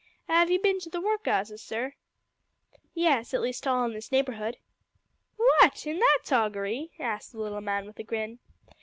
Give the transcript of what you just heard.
"'Ave you bin to the work 'ouses, sir?" "Yes at least to all in this neighbourhood." "What! in that toggery?" asked the little man, with a grin.